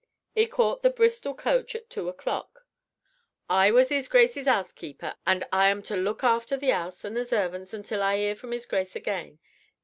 'E caught the Bristol coach at two o'clock. I was 'Is Grace's 'ousekeeper and I am to look after the 'ouse and the zervants until I 'ear from 'Is Grace again.